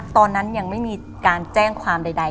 ตอนนั้นยังไม่มีการแจ้งความใด